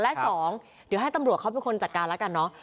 และสองเดี๋ยวให้ตำรวจเขาเป็นคนจัดการแล้วกันเนอะ